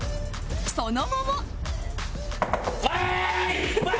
その後も